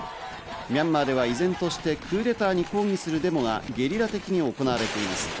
ミャンマーでは依然としてクーデターに抗議するデモがゲリラ的に行われています。